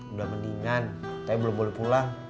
udah mendingan tapi belum boleh pulang